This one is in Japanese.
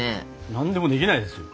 何でもできないですよ。